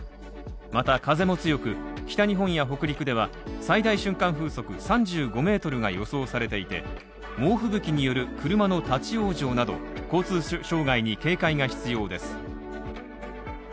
また風も強く、北日本や北陸では、最大瞬間風速３５ｍが予想されていて、猛吹雪による車の立ち往生など交通障害に警戒が必要です。